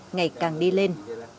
ngày càng đi lên